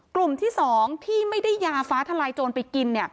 กลุ่มที่๒ที่ไม่ได้ยาฟ้าทลายโจรไปกิน